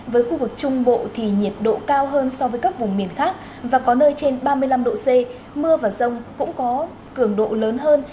với khu vực trung bộ thì nhiệt độ cao hơn so với các vùng miền khác và có nơi trên ba mươi năm độ c mưa và rông cũng có cường độ lớn hơn